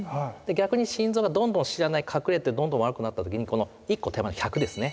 逆に心臓がどんどん知らない隠れてどんどん悪くなった時にこの１個手前の１００ですね。